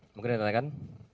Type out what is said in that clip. mungkin ada pertanyaan